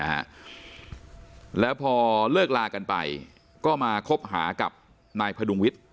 แล้วก็มีลูกหนึ่งคนกับสามีเก่านะฮะแล้วพอเลิกลากันไปก็มาคบหากับนายพดุงวิทย์